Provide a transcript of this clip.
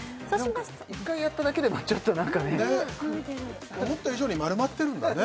１回やっただけでもちょっとなんかね思った以上に丸まってるんだね